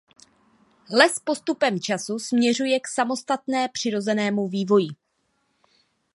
Les postupem času směřuje k samostatné přirozenému vývoji.